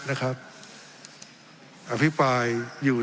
ทั้งสองกรณีผลเอกประยุทธ์